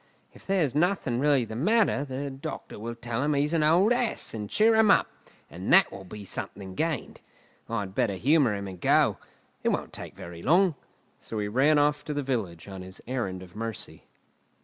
If there's nothing really the matter, the doctor will tell him he's an old ass, and cheer him up; and that will be something gained. I'd better humour him and go; it won't take very long." So he ran off to the village on his errand of mercy.